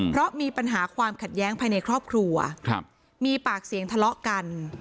เพราะมีปัญหาความขัดแย้งภายในครอบครัวมีปากเสียงทะเลาะกัน